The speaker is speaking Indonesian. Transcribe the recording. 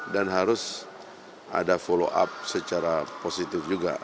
dan harus ada follow up secara positif juga